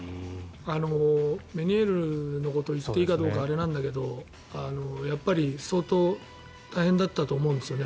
メニエール病のことを言っていいかどうかあれなんだけどやっぱり相当大変だったと思うんですよね。